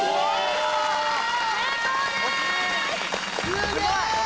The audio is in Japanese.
すげえ！